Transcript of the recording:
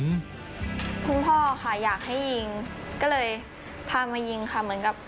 คุณพ่อค่ะอยากให้ยิงก็เลยพามายิงค่ะ